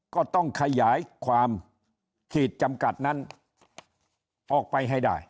ก็ต้องขยายความขีดจำกัดนั้นออกไปให้ได้